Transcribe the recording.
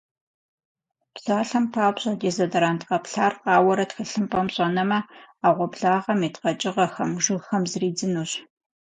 Псалъэм папщӏэ, дезодорант къэплъар къауэрэ тхылъымпӏэм щӏэнэмэ, ӏэгъуэблагъэм ит къэкӏыгъэхэм, жыгхэм зридзынущ.